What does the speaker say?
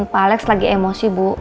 pak alex lagi emosi bu